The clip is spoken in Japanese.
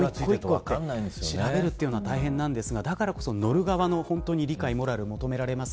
調べるのは大変ですがだからこそ乗る側の理解が求められます。